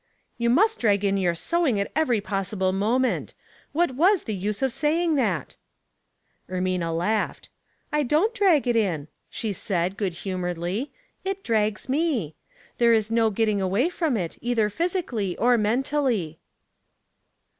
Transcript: " You must drag in your sewing at every possible moment. What tvas the use of saying that?" Ermina laughed. " I don't drag it in," she said, good hu moredly. "It drags me. There is no getting away from it, either physically or mentally."